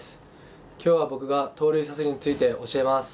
今日は僕が盗塁阻止について教えます。